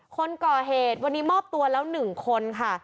คนก่อเหตุวันนี้มอบตัวแล้ว๑คนค่ะ